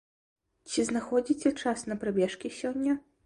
Ці знаходзіце час на прабежкі сёння?